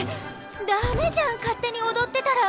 ダメじゃん勝手に踊ってたら。